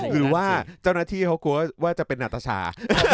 หรือว่าเจ้าหน้าที่เขากลัวว่าจะเป็นอัตชา